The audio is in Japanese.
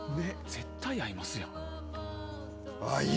絶対、合いますやん。